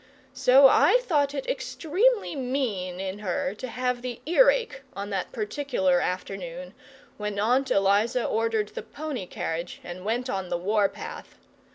So I thought it extremely mean in her to have the earache on that particular afternoon when Aunt Eliza ordered the pony carriage and went on the war path.